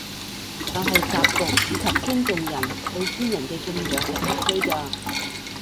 但係習俗以及尊重人對先人嘅敬仰係必須嘅